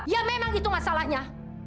ya memang itu masalahnya